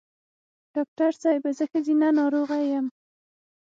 ډاکټر صېبې زه ښځېنه ناروغی یم